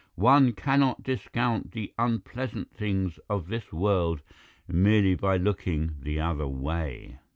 One cannot discount the unpleasant things of this world merely by looking the other way.